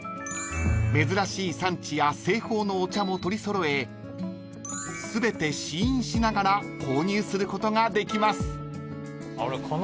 ［珍しい産地や製法のお茶も取り揃え全て試飲しながら購入することができます］